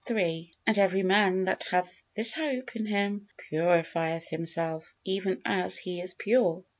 3: "And every man that hath this hope in Him, purifieth himself, even as He is pure."